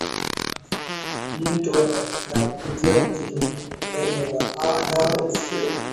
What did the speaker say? mto na kupitia msitu mnene na usio